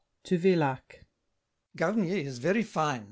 [To Villac.] Garnier is very fine.